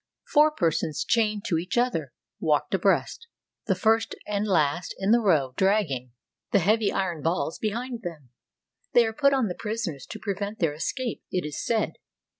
Four persons, chained to each other, walk abreast, the first and last in the row drag ging the heavy iron balls behind them. They are put on the prisoners to prevent their escape, it is said.